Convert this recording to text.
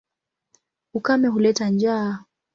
Ukame huleta njaa.